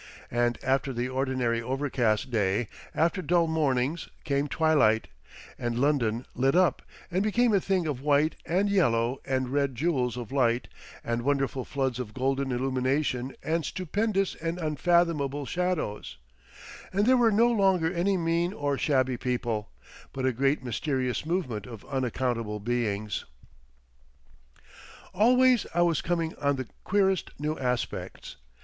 And after the ordinary overcast day, after dull mornings, came twilight, and London lit up and became a thing of white and yellow and red jewels of light and wonderful floods of golden illumination and stupendous and unfathomable shadows—and there were no longer any mean or shabby people—but a great mysterious movement of unaccountable beings.... Always I was coming on the queerest new aspects.